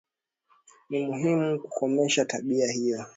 Ni muhimu kukomesha tabia hiyo